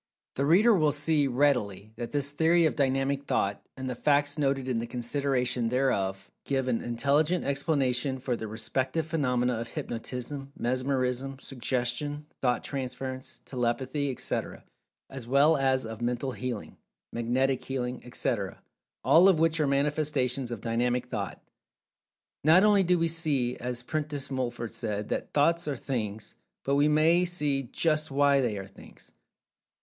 The reader will see, readily, that this theory of Dynamic Thought, and the facts noted in the consideration thereof, give an intelligent explanation for the respective phenomena of Hypnotism, Mesmerism, Suggestion, Thought transference, Telepathy, etc., as well as of Mental Healing, Magnetic Healing, etc., all of which are manifestations of "Dynamic Thought." Not only do we see, as Prentice Mulford said, that "Thoughts are Things," but we may see "just why" they are Things.